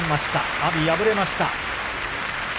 阿炎、敗れました。